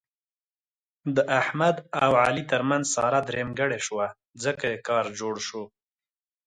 د احمد او علي ترمنځ ساره درېیمګړې شوه، ځکه یې کار جوړ شو.